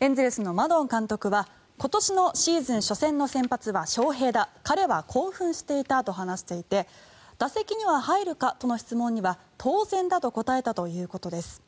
エンゼルスのマドン監督は今年のシーズン初戦の先発は翔平だ彼は興奮していたと話していて打席には入るかとの質問には当然だと答えたということです。